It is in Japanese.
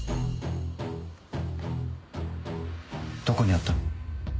どこにあったの？